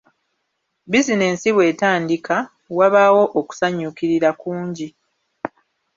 Bizinensi bw’etandika, wabaawo okusanyukirira kungi.